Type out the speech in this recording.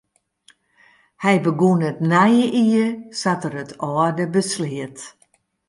Hy begûn it nije jier sa't er it âlde besleat.